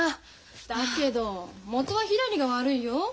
だけど元はひらりが悪いよ。